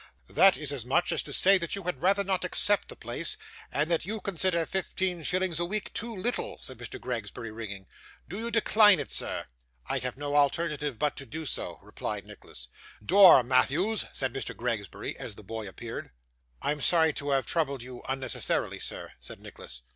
'That is as much as to say that you had rather not accept the place, and that you consider fifteen shillings a week too little,' said Mr Gregsbury, ringing. 'Do you decline it, sir?' 'I have no alternative but to do so,' replied Nicholas. 'Door, Matthews!' said Mr. Gregsbury, as the boy appeared. 'I am sorry I have troubled you unnecessarily, sir,' said Nicholas.